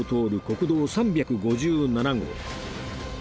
国道３５７号